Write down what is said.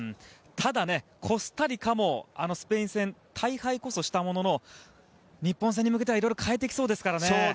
ただ、コスタリカもスペイン戦で大敗こそしたものの日本戦に向けてはいろいろ変えてきそうですからね。